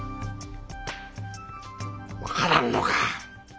分からんのか。